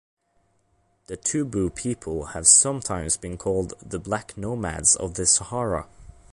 The Toubou people have sometimes been called the "black nomads of the Sahara".